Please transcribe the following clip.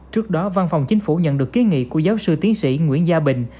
trước đó văn phòng chính phủ nhận được kiến nghị của giáo sư tiến sĩ nguyễn gia bình